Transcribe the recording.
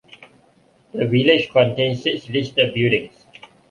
The village contains six listed buildings.